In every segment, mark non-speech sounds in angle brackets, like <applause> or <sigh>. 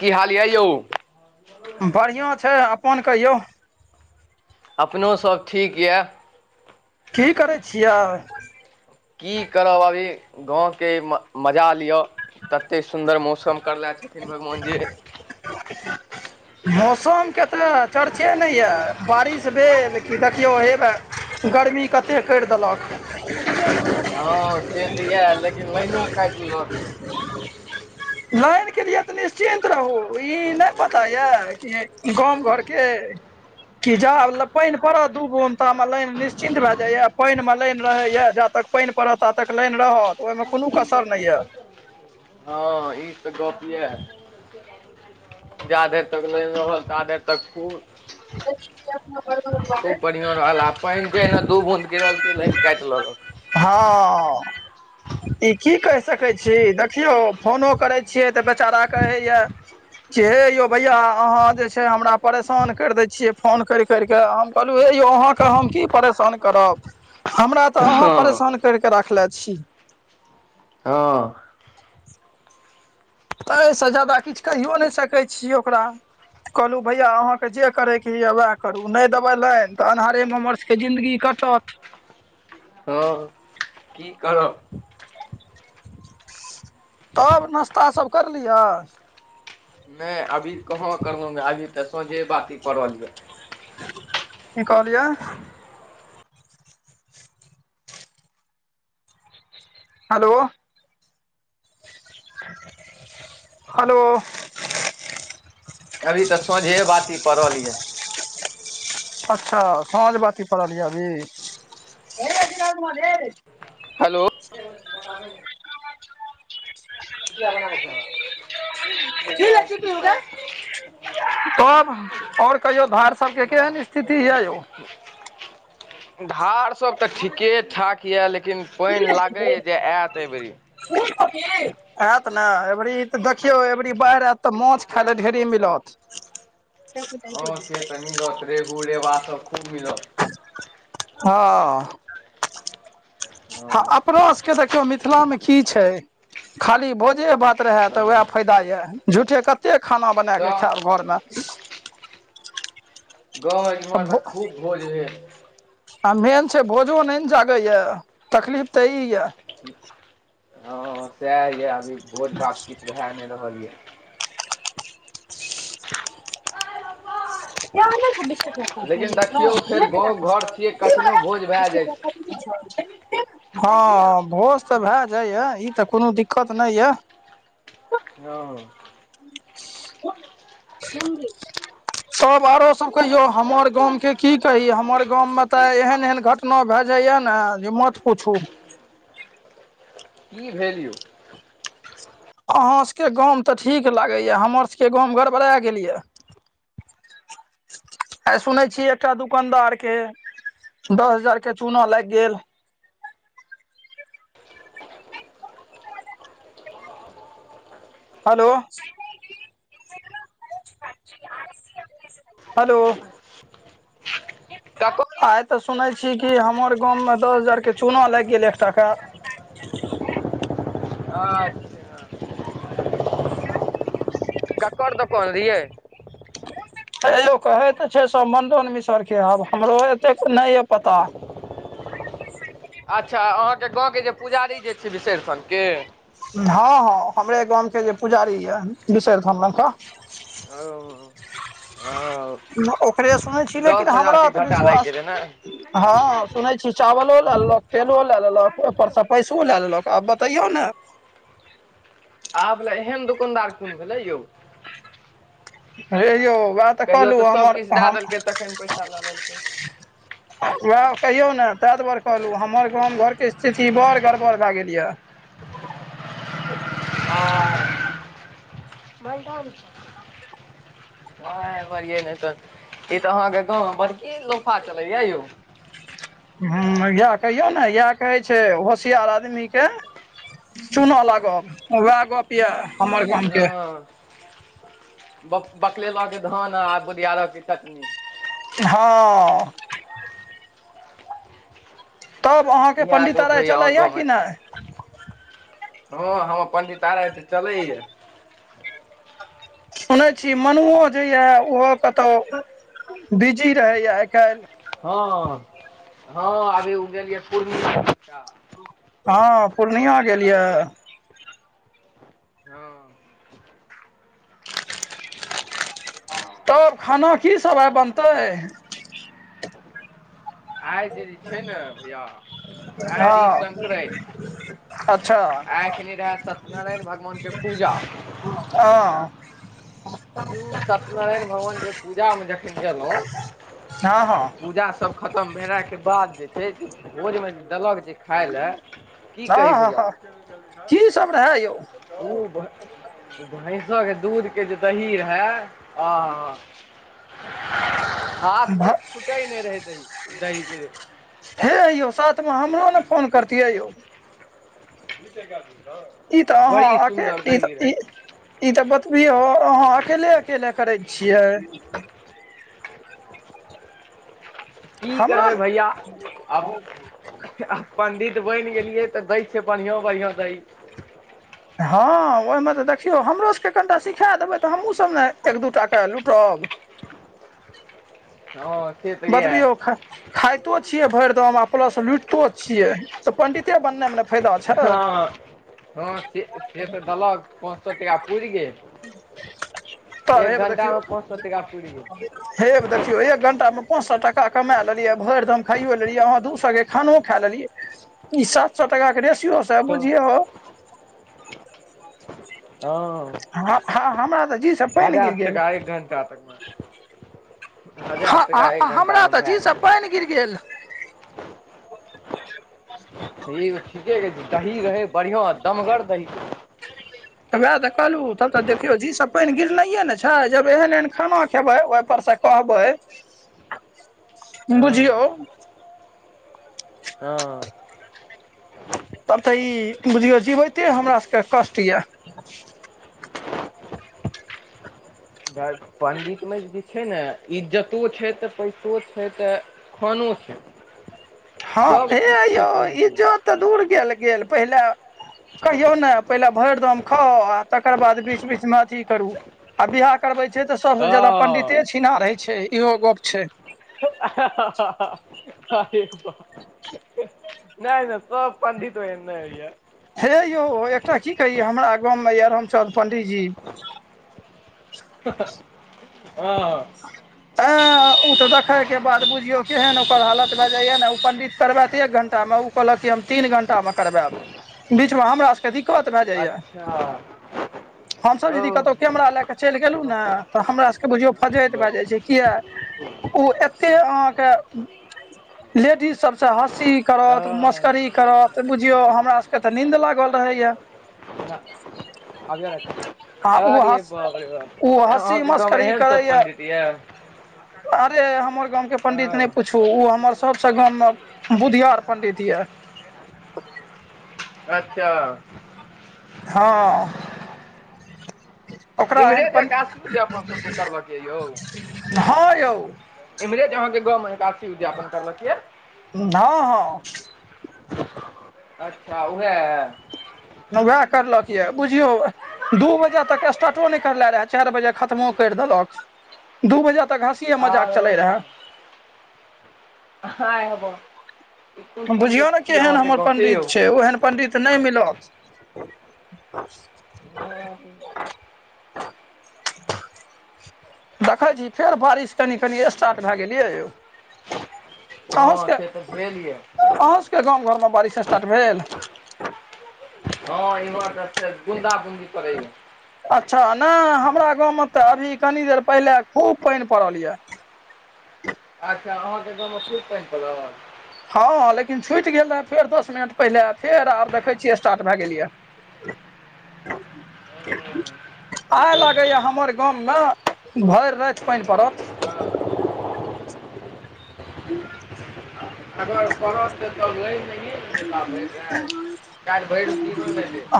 की हाल या यौ? बढ़िआँ छै अपन कहियौ? अपनो सब ठीक या। की करै छियै? की करब अभी गाँंव के म मजा लिओ तते सुंन्दर मो सम करले छथिन भगवान जे। <unintelligible> मौसम के तऽ चर्चे नै या बारिश भेल कि देखियौ हेबा। गर्मी कते कैर देलक। हँ से तऽ या लेकिन लाइनो काइट लेलक लायन के लिए निश्चिन्त रहू ई नै पता या की गाम घरके कि जा ल पाइन पड़त दू बूंद ता मे लाइन निश्चिन्त भ जाएय पाइन मे लाइन रहे इए जा तक पाइन पड़त त तक लाइन रहत ओहिमे कुनु कसर नै या। हँ। ई से गपे इयाह जाधैर तकलो इम्हर ताधैर तक पू <inaudible> बढ़ियां रहल आ <unintelligible> पाइन पने दू बूंद गिरल की लाइन काइट लेलक। हँ अ। इ की कहि सकै छी, देखियौ फोनो करै छियै त बेचारा कहैये जे हे यौ भइया अहाँ जे छै हमरा परेशान कैर दै छियै फोन करि करिके हम कहलौं हे यौ अहाँ क हम की परेशान करब। हमरा तऽ अहाँ हँ परेशान करिके राखले छी। हँ। त अइसे जादा किछ कहियो नै सकै छिय ओकरा। कहलूं भैया अहाँके जे करैके हिये वेएह करू नै देबै लाइन त अन्हारे मे मर जिन्दगी कटत। हॅंह। की करब। तब नश्ता सब करलियऽ? नै अभी कहाँ करलो ह अभी त साँझे बाती परल य‌ऽ। की कहलियइ? हलो हलो, अभी त साँझे बाती पड़ल येए। अच्छा साँझ बाती परल ये अभी। हेलो <inaudible> <inaudible> <inaudible> तब और कहियौ धार सब के केहेन स्थिति येए यौ? <inaudible> धार सब त ठीके ठाक ये लेकिन पाइन लागैये जे एत अइ बेरी। सु प की <inaudible> एत ने एबरी त देखियौ एबरी बाइढ़ एत त माछ खाइले ढे़री मिलत। त <inaudible> हँ से त मिलत रेहू रेबा सब खूब मिलत। हँऽ। हँ अपनो सके देखियौ मिथिलामे की छै खाली भोजे बात रहे ते वेएह हँ। फायदा येए झूठे कते खाना बनेए के तऽ खेएब घर मे। गाँव इम्हर त खूब भोज होइये। आ मेन छै भोजो नै ने जागैये तकलीफ त ई ये। हँ सेएह येए अभी भोज -भात किछ भेए नै रहल ये। त लेकिन नहि देखियौ फेर गाँव छै घर छियै कखनो <inaudible> भोज भए जाइ छै क <inaudible> हँ भोज त भेए जाइये इ त कोनो दिक्कत नै ये। हँ। <inaudible> तब आरो सब कहियौ हमर गाम के की कही हमर गाम मे त एहेन- एहेन घट ना भेए जाइये ने जे मत पुछू। की भेल यौ? अहाँ सके गाम त ठीक लागैये हमर सके गाम गड़बड़ेए गेल ये। आइ सुनै छियै एकटा दुकानदार के दस हजार के चूना लागि गेल। Hello, hello. ककर आइ त सुनै छी कि हमर गाममे दस हजारके चूना लागि गेल एकटाके। ह <unintelligible> छा कोन दोकान लिअइ <unintelligible> एं ओ कहै त छै सब मंडन मिसर के आब हमरो एतेक नै ऐ पता अच्छा अहाँके गाँवके जे पुजारी जे छै बिसहरि थानके हाँ हाँ हमरे गाम के जे पुजारी ये विसहर थानमे का। ओ। ओ ओकरे सुनै छी लेकिन दस हमरा हजारके तऽ घाटा लागि विश्वास, गेलै ने हाँ। सुनै छी चावलो लए लेलक, तेलो लए लेलक, ओहिपरसँ पैसो लए लेलक, आब बतैयौ नै आब ले एहन दुकानदार कोन भेलै यौ। हे यौ वै कहियो तऽ सभ किछु दए देलकै तखन पैसा लऽ लेलकै। वैह कहियौ नै तें दुआरे कहलहुँ हमर गाम घरके स्थिति बड़ गड़बड़ भए गेल ये। <unintelligible> मेडम छै। हे बरगे ने तन <unintelligible> ई तऽ अहाँके गाँंव मे बड़की लोफा चलैये यौ। हुँ इएह कहियौ नै इएह कहै छै होशियार आदमी के चुना लागब वैह गप्प। किया हमर गांव। हाँ ब बकलेलक धान आ बुधियारक चटनी। हाँ। तब अहाँके इएह पंडित गप्प राय होइये अहाँ चलैया गाँवमे कि नहि हाँ हमर पंडिताई त चलैये। सुनै छी मनुओ जैये ओहो कतहु बिजी रहैए आइ काइल। हाँ हाँ अभी ओ गेल यै पूर्णिया दिसका। हाँ पूर्णिया गेल ये। हाँ। अ <inaudible> तब खाना की सब आइ बनतै? आइ जे छैय ने भैया, आइ रहै हँ अच्छा संक्रान्ति आइ केने रहैत सत्यनारायण भगवान के पूजा हां। ऊ सत्यनारायण भगवान के पूजा मे जखन गेलहुं, हँ हँ पुजा सब खतम भेलाके बाद जे छै से भोजमे देलक जे खाइ ले आ हा हा हा की सब रहय यौ ओ भैंसक दूध के जे दही रहै आ हा हाथ से छूटै नै रहै दही दही के हे यौ साथमे हमरो नै फोन करतियै यौ दु टका दै छहक ई तऽ अहाँ अतेक ई ई ई तऽ बतबियो अहाँ अकेले अकेले करै छियै। की हमरो करबै भैया आब, आ पंडित बैन गेलियै त दैय छै बढ़ियां बढ़िया दही, हाँ ओहिमे त देखियौ हमरोसभके कनिटा सिखाए देबै त हमहूँसभ ने एक दू टाके लूटब। हाँ। बतबी यौ ख, खाइतो छीये भेर दम प्लस लुटितो छिये त पंडिते बनेमे, हाँ। हाँ से से त दलक पाँच सौ रुपैया पूर गेल। तब एक हे घंटा देखियौ मे पाँच सौ टका पुर गेल। हेब देखियौ एक घंटामे! पाँच सौ टका कमा लेलियै भेरदम खाइो लेलियै अहाँ दू सौ के खानो खा लेलियै। ई सात सौ टका के रेसयो स तऽ बुझियौ। हँ हाँ हाँ हमरा त जीसँ पेन हजार गइर गेल। टाका एक घण्टा तकमे हजार टाका एक हँ हमरा घण्टामे त भए जीसँ पैन गिर गेल। ई ठीके दही रहै बढ़िआं दमगर दही, त वएह त कहलुँ तब त देखियौ जी सब पेन गिरलइये ने छय जब एहन एहन खाना खेबै ओहिपरसँ, कहबै हँ बुझियौ। हँ। तब त ई बुझियौ जीबैते हमरा सभके कष्ट यै। पंडितमे, <unintelligible> छै ने इज्जतो छै त पइसो छै त खानो छै। हँ हे सभकिछु छै यौ पण्डितमे इज्जोत त दूर के लेकिन पहिले, कहियौ ने पहिले भइर दम खाउ आ तकर बाद बीच बीचमे अथी करू, आ बियाह करबैत छै त सबसे जादा हँ पंडिते छिनार हेय छै इहो गप छै। ह ह ह ह अरे बाप रे नय ने सब पंडित, तेनइया। हे यौ एकटा की कहिये हमरा गाँव में ये रामचंद पंडीजी, ह ह हँअ। आँ। ओ त देखय के बाद बुझियौ केहन ओकर हालत भ जाइया ने ओ पंडित करबैत एक घण्टामे उ, कहलक हम तीन घंटा मे करबैब बीचमे हमरा सबके अधिक, अच्छा। हमसभ ओ यदि कतहु कैमरा ले क चइल गेलहु ने त हमरा सबके बुझियौ फजीहत भए जाइ छै। किए ओ एते अहाँके, लेडीज सब से हँसी करत मस्करी, कर त बुझियो हमरा सबके त नींद लागल रहैया। आ ओ अरे हँस बाप रे ओ बाप अहाँ हँसी के गाँव मे मस्करी एहन सब करैया पंडित ये। अरे हमर गाम के पंडित ने हँ पूछू उ हमर सबसे गाम में बुधियार पंडित ये। अच्छा। हँ। ओकरा एहन इम्हरे जे पंड एकादशी उद्यापन सबके करलक यऽ यौ <unintelligible> हाँ यौ। इम्हरे अहाँ के गोमें एकादशी उद्यापन करलक यै। हँ हँ। <inaudible> अच्छा वैएह। नव वएह करलक यए, बुझियौ। दू बजे तक स्टार्टो नहि करलय रहै, चारि बजे खत्मो करि देलक, दू बजे तक हस कीए मजाक आरो चलै रहै। कहाॅ एहबो। हम बुझियौ ने केहन हमर गाँवके पण्डित यौ छै, ओहन पण्डित नहि मिलत। <unintelligible> देखैय छी फेर बारिश कनि कनि स्टार्ट भए गेलियै यौ। हँ से तऽ भेल या। अहु सबके गाम घरमे बारिश स्टार्ट भेल। हँ इम्हर त से बुंदा बूंदी पड़ैया। अच्छा नहि हमरा गाँवमे तऽ अभी कनि देर पहिले खूब पानि पड़ल या। अच्छा अहाँके गाँवमे खूब पानि पड़ल। हँ लेकिन छुटि गेल रहै, फेर दस मिनट पहिले फेर आर देखैय छियै स्टार्ट भए गेल यै। <inaudible> आइ लागैए हमर गाममे भरि राति पानि पड़त। हँ, अगर पड़त त तबऽ लरि नहिए ने जेता भरि राति, काल्हि भरि दिनो नहि देत।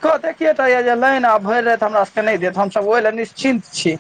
कहतैय कि एतह ये जे लाइन आब भरि राइत हमरा सबके नहि देत, हमसब ओहि लए निश्चिन्त छी।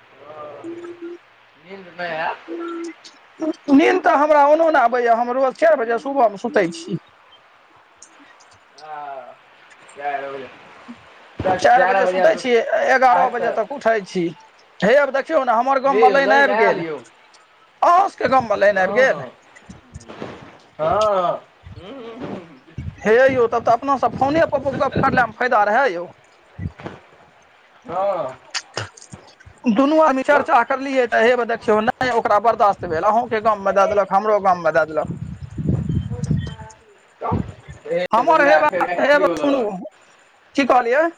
हँ, <inaudible> नींद मे आ दोस्त त नीन्द तऽ हमरा ओनो नहि आबैए, हम रोज चारि बजे सुबहमे सुतैय छी। आ चारि बजे। तऽ चारि बजे सुते बजेसँ छी, एगारह आइ बजे तऽ तक उठैय छी, हे अब देख त्यों न हमर गम में हे यौ लाइन आबि आयल गेल, यौ आस के गम मे ला हँ- हँ- हँ, ह हुं -हुं- हुं। हे यौ, तब तऽ अपना सब फोने पर गप्प करला मे फायदा रहए यौ। हँ दुनू आदमी हँ चर्चा करलियै, तऽ हे ब देखियौ नहि ओकरा बर्दाश्त तऽ भेल अहु के गाममे दए देलक, हमरो गाममे दए देलक। फुक-फुक गाड़ी। हमर हे बा हे गो गाड़ियो सुनू, लगल। की कहलियै?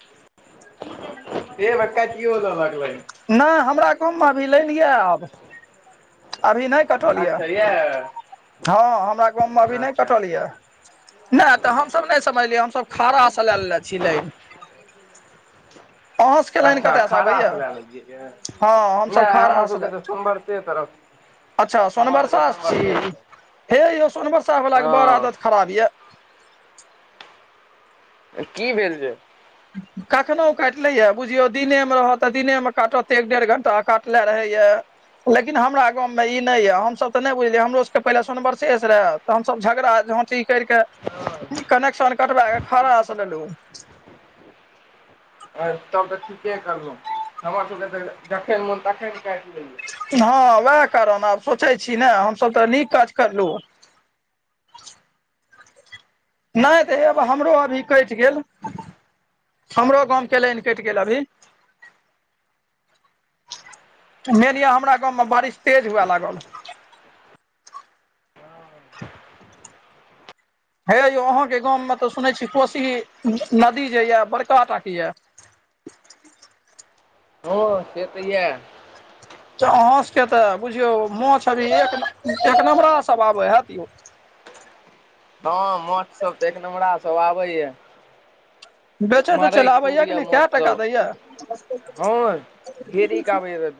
देब काटियो लेलक लाइन। नहि हमरा कुन अभी लाइन या। आब अभी नहि। कटल अच्छा यऽ या हँ हमरा गाँव मे अभी नहि कटल यऽ। नहि तऽ हमसब नहि समझलियै हमसभ खड़ाँ स लैलेने छी लाइन। अहाँ <inaudible> सबके लाइन अच्छा कतयसँ खाड़ा स आबैया लए लेलियै दैन, हँ हमसभ नहि हमर खरास सबके तऽ सोम वषे तरफ अच्छा हमर सबके सोनबरसा स छी सोनवर्षॊ के तक हे यौ सोनवर्षा वाला के बड़ आदत खराब या। त की भेल जे। कखनो काटले यए, बुझियौ दिनेमे रहत तऽ दिनेमे काटत त एक डेढ़ घंटा काटले रहैया। लेकिन हमरा गाँम में ई नहि ये, हमसब ते नहि बुझलिये हमरो सब के पहिले सोनवर्षा शेष रहै। त हमसभ झगड़ा झाँटी करिके कनेक्शन कटबा के खड़ा से लेलहु। तब त ठीके करलहुँ हमर सभके त जखन मोन तखन काटि लेइयै। हँ वएह कारण आब सोचै छी ने हमसभ त नीक काज करलु। नहि त हेबा हमरो अभी कइट गेल। हमरो गामके लैन कइट गेल अभी। मेन य हमरा गाँवमे बारिश तेज हुए लागल। हे यौ अहाँके गाममे ते सुनय छी कोशी नदी जे ये बड़का टा के यऽ। ह से त यऽ। त अहाँ सबके त बुझियौ माछ अभी एक एक नम्बरा सब आबै हैत यौ। हँ माछ सब त एक नम्बरा सब आबैए। बेचै तेचै मारैय लए खूब आबैए कि य नहि माछ कए टाका सब, दैए हँ ढेरिक आबै रहे।